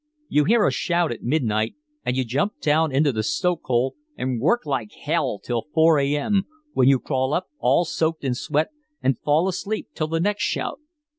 You hear a shout at midnight and you jump down into the stokehole and work like hell till four a. m., when you crawl up all soaked in sweat and fall asleep till the next shout.